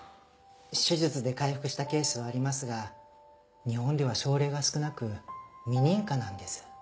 手術で回復したケースはありますが日本では症例が少なく未認可なんです。